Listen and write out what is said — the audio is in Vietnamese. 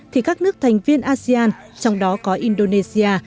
thì các nước thành viên asean trong đó có indonesia